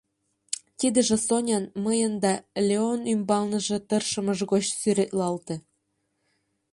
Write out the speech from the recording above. Тидыже Сонян мыйын да Леон ӱмбалныже тыршымыж гоч сӱретлалте.